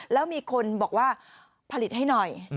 แล้วมีคนบอกว่าผลิตให้หน่อย